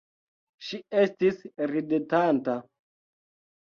Ŝi estis ridetanta.